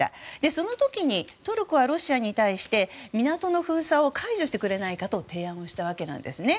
その時にトルコはロシアに対して港の封鎖を解除してくれないかと提案をしたわけなんですね。